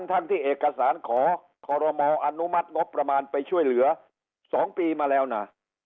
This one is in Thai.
ทั้งที่เอกสารขอคอรมออนุมัติงบประมาณไปช่วยเหลือ๒ปีมาแล้วนะ